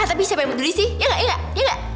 ah tapi siapa yang peduli sih ya gak ya gak